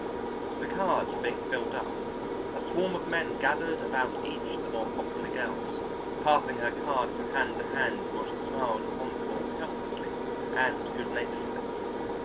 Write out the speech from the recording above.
The cards were being filled up, a swarm of men gathered about each of the more popular girls, passing her card from hand to hand while she smiled upon them all helplessly and good naturedly.